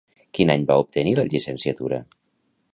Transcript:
Quin any va obtenir la llicenciatura?